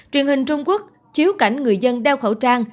truyền hình trung quốc chiếu cảnh người dân đeo khẩu trang